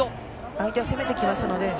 相手は攻めてきますので。